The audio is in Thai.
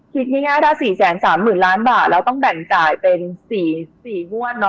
คิดง่ายถ้า๔๓๐๐๐ล้านบาทเราต้องแบ่งจ่ายเป็น๔งวดเนาะ